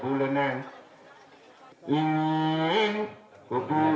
keturunan penerima gawai harus memotong kayu sebagai simbol menyingkirkan halangan di jalan